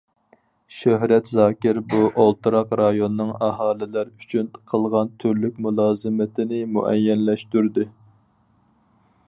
شۆھرەت زاكىر بۇ ئولتۇراق رايونىنىڭ ئاھالىلەر ئۈچۈن قىلغان تۈرلۈك مۇلازىمىتىنى مۇئەييەنلەشتۈردى.